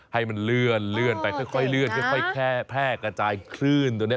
ให้มันเลื่อนไปค่อยเลื่อนค่อยแค่แพร่กระจายคลื่นตัวนี้